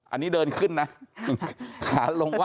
อันนี้เดินขึ้นนะ